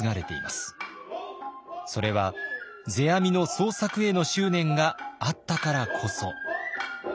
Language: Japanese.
それは世阿弥の創作への執念があったからこそ。